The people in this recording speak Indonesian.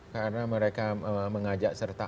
karena mereka mengajak serta